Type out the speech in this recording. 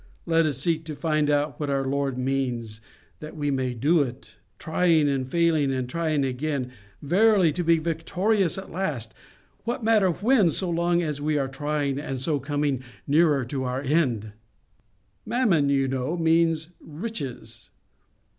Let us seek to find out what our Lord means, that we may do it; trying and failing and trying again—verily to be victorious at last—what matter WHEN, so long as we are trying, and so coming nearer to our end! "MAMMON, you know, means RICHES.